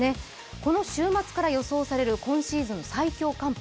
この週末から予想される今シーズン最強寒波。